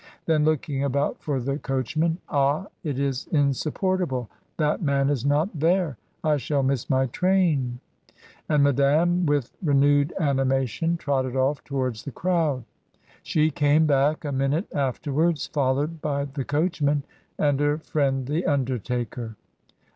Then looking about for the coach man, "Ah! it is insupportable! That man is not there. I shall miss my train;" and Madame, with renewed animation, trotted off towards the crowd. She came back a minute afterwards, followed by the coachman and her friend the undertaker.